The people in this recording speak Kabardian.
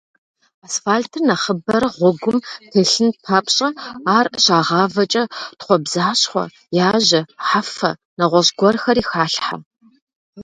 Асфальтыр нэхъыбэрэ гъуэгум телъын папщӏэ, ар щагъавэкӏэ тхъуэбзащхъуэ, яжьэ, хьэфэ, нэгъуэщӏ гуэрхэри халъхьэ.